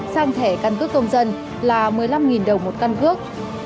sang thẻ căn cước công dân là một mươi năm đồng một căn cước